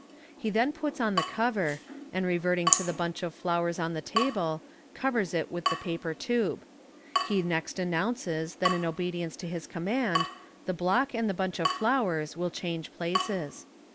He then puts on the cover, and revetting to the bunch of flowers on the table, covers it with the paper tube. He next announces that in obedience to his command, the block and the bunch of flowers will change places.